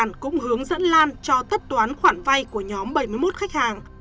đỗ thị nhàn cũng hướng dẫn lan cho tất toán khoản vay của nhóm bảy mươi một khách hàng